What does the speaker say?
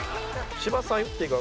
芝さん言っていいか。